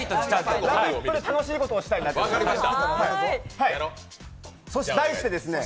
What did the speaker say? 「ラヴィット！」で楽しいことをしたいだけです。